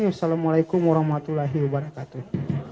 assalamualaikum warahmatullahi wabarakatuh